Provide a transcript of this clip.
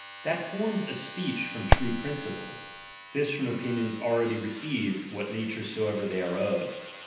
That forms a speech from ^H true principles ; this from opinions already re ^H ceived, what nature soever they are of.